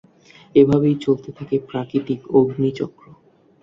এভাবেই চলতে থাকে প্রাকৃতিক অগ্নি-চক্র।